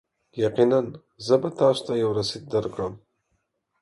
یقینا، زه به تاسو ته یو رسید درکړم.